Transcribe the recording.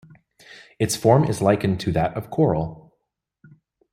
Its form is likened to that of coral.